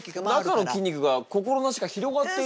中の筋肉が心なしか広がっているような。